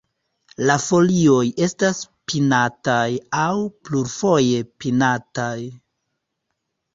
La folioj estas pinataj aŭ plurfoje pinataj.